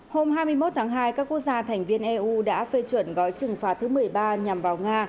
hôm hai mươi một tháng hai các quốc gia thành viên eu đã phê chuẩn gói trừng phạt thứ một mươi ba nhằm vào nga